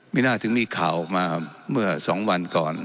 น่าถึงมีข่าวออกมาเมื่อ๒วันก่อน